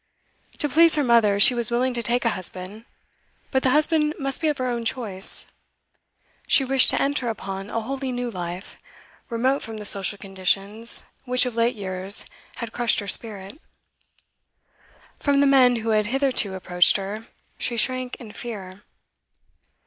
To please her mother she was willing to take a husband, but the husband must be of her own choice. She wished to enter upon a wholly new life, remote from the social conditions which of late years had crushed her spirit. From the men who had hitherto approached her, she shrank in fear.